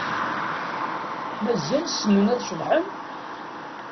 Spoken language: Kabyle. Mazal ssnen ad ceḍḥen?